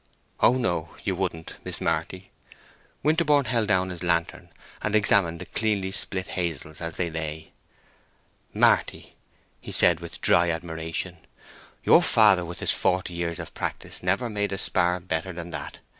"Oh no, you wouldn't, Mrs. Marty." Winterborne held down his lantern, and examined the cleanly split hazels as they lay. "Marty," he said, with dry admiration, "your father with his forty years of practice never made a spar better than that.